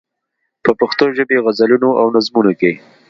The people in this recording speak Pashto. په پښتو ژبې غزلونو او نظمونو کې.